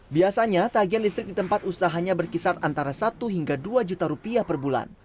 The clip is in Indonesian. biasanya tagihan listrik di tempat usahanya berkisar antara satu hingga dua juta rupiah per bulan